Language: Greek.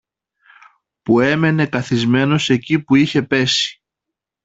που έμενε καθισμένος εκεί που είχε πέσει